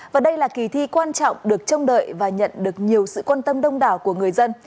và đây là kỳ thi quan trọng được trông đợi và nhận được nhiều sự quan tâm đông đảo của người dân